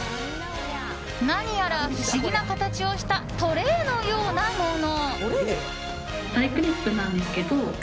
何やら不思議な形をしたトレーのようなもの。